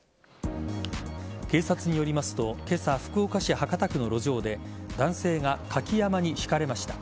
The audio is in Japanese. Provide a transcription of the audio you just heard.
警察によりますと今朝、福岡市博多区の路上で男性がかき山笠にひかれました。